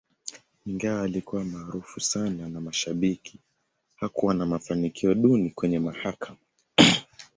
Ingawa alikuwa maarufu sana na mashabiki, hakuwa na mafanikio duni kwenye mahakama.